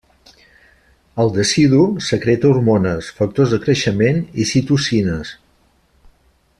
El decidu secreta hormones, factors de creixement i citocines.